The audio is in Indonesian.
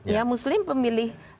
ya muslim pemilih